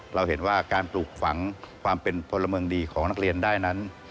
เราเห็นว่าการปลูกฝังความเป็นพลเมืองดีของนักเรียนได้นั้น